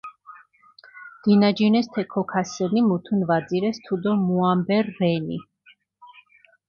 დინაჯინეს თე ქოქასჷნი, მუთუნ ვაძირეს თუდო მუამბე რენი.